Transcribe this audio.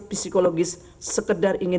psikologis sekedar ingin